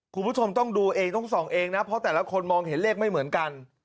คุณผู้ชมต้องดูเองต้องส่องเองนะเพราะแต่ละคนมองเห็นเลขไม่เหมือนกัน